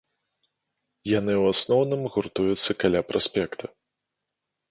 Яны ў асноўным гуртуюцца каля праспекта.